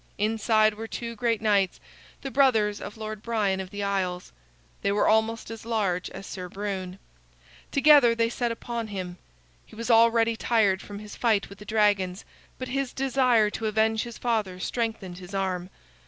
Inside were two great knights, the brothers of Lord Brian of the Isles. They were almost as large as Sir Brune. Together they set upon him. He was already tired from his fight with the dragons, but his desire to avenge his father strengthened his arm.